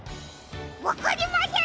わかりません！